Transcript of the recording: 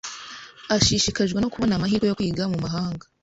Ashishikajwe no kubona amahirwe yo kwiga mu mahanga.